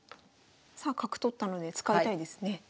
さあ角取ったので使いたいですね。